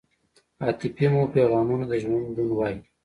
عاطفې مو پیغامونه د ژوندون وای